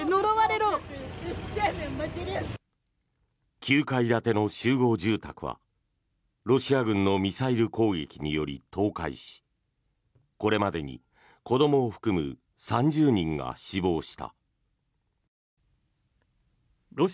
９階建ての集合住宅はロシア軍のミサイル攻撃により倒壊しこれまでに子どもを含む３０人が死亡した。